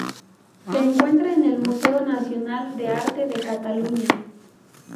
Se encuentra en el Museo Nacional de Arte de Cataluña.